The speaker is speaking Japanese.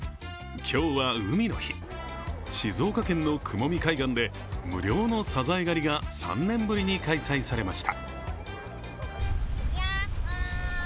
今日は海の日、静岡県の雲見海岸で無料のサザエ狩りが３年ぶりに開催されました。